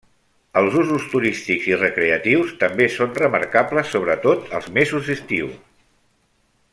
Els usos turístics i recreatius també són remarcables, sobretot els mesos d'estiu.